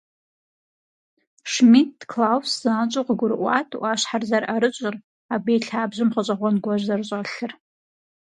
Шмидт Клаус занщӀэу къыгурыӀуат Ӏуащхьэр зэрыӀэрыщӀыр, абы и лъабжьэм гъэщӀэгъуэн гуэр зэрыщӀэлъыр.